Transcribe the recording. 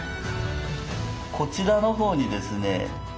こちらの方にですね